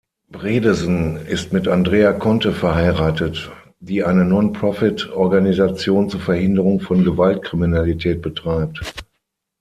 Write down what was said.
Bredesen ist mit Andrea Conte verheiratet, die eine Non-Profit-Organisation zur Verhinderung von Gewaltkriminalität betreibt.